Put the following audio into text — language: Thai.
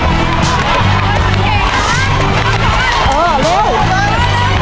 ลูกหลงข้างหลังเค้ามียังเต็มเลย